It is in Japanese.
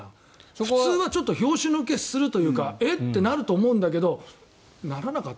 普通は拍子抜けするというかえ？ってなると思うんだけどならなかった。